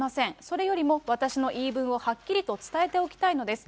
それよりも、私の言い分をはっきりと伝えておきたいのです。